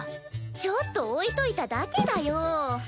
ちょっと置いといただけだよ！